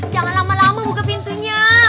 jangan lama lama buka pintunya